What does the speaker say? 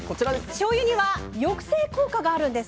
しょうゆには抑制効果があるんです。